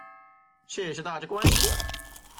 谢谢大家关心